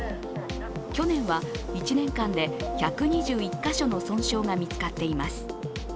去年は１年間で１２１カ所の損傷が見つかっています。